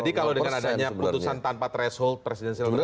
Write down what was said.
jadi kalau dengan adanya putusan tanpa threshold presidensial threshold